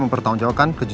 ini bunga yang saya beli